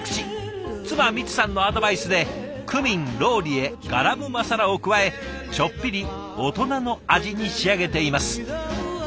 妻美津さんのアドバイスでクミンローリエガラムマサラを加えちょっぴり大人の味に仕上げています。